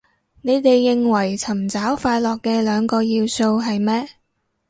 你哋認為尋找快樂嘅兩個要素係咩